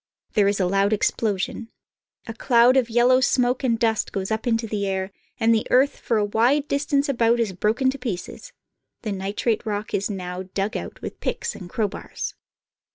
There is a loud explosion. A cloud of yellow smoke and dust goes up into the air, and the earth for a wide distance about is broken to pieces. The nitrate rock is now dug out with picks and crowbars.